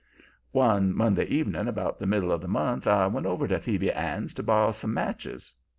"One Monday evening about the middle of the month I went over to Phoebe Ann's to borrow some matches.